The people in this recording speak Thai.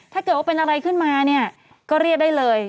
ถ้าเกิดว่าเป็นอะไรขึ้นมาเนี่ยก็เรียกได้เลย